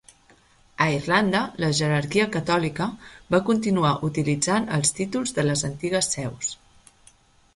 A Irlanda, la jerarquia catòlica va continuar utilitzant els títols de les antigues seus.